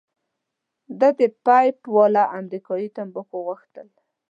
ده د پیپ والا امریکايي تمباکو غوښتل.